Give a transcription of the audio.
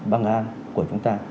bằng an của chúng ta